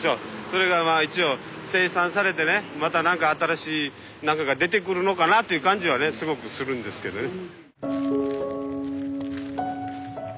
それがまあ一応清算されてねまたなんか新しい何かが出てくるのかなっていう感じはねすごくするんですけどね。